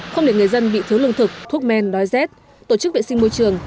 không để người dân bị thiếu lương thực thuốc men đói rét tổ chức vệ sinh môi trường